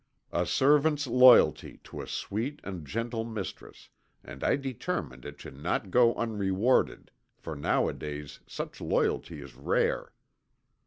A servant's loyalty to a sweet and gentle mistress, and I determined it should not go unrewarded, for nowadays such loyalty is rare.